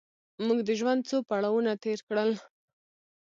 موږ د ژوند څو پړاوونه تېر کړل.